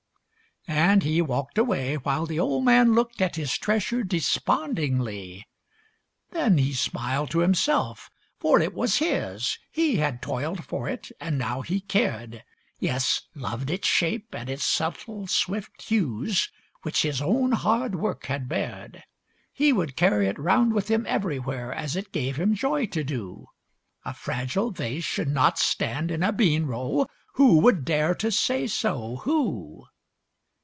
And he walked away, while the old man looked At his treasure despondingly. Then he smiled to himself, for it was his! He had toiled for it, and now he cared. Yes! loved its shape, and its subtle, swift hues, Which his own hard work had bared. He would carry it round with him everywhere, As it gave him joy to do. A fragile vase should not stand in a bean row! Who would dare to say so? Who?